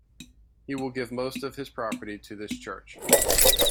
His will gave most of his property to this church.